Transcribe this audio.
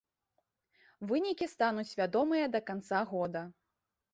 Вынікі стануць вядомыя да канца года.